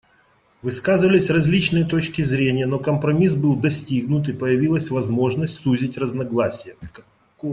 Высказывались различные точки зрения, но компромисс был достигнут, и появилась возможность сузить разногласия.